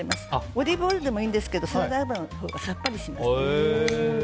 オリーブオイルでもいいんですがサラダ油のほうがさっぱりします。